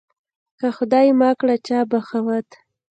که خدای مکړه چا بغاوت